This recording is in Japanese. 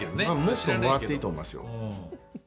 もっともらっていいと思いますよ。